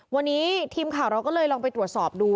วันนี้ทีมข่าวเราก็เลยลองไปตรวจสอบดู